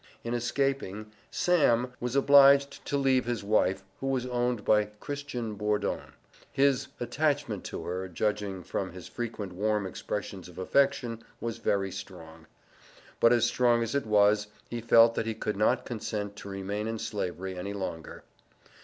In escaping, "Sam" was obliged to leave his wife, who was owned by Christian Bourdon. His attachment to her, judging from his frequent warm expressions of affection, was very strong. But, as strong as it was, he felt that he could not consent to remain in slavery any longer.